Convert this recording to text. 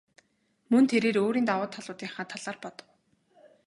Мөн тэрээр өөрийн давуу талуудынхаа талаар бодов.